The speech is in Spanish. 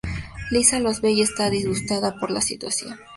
Lisa los ve y está disgustada por la situación.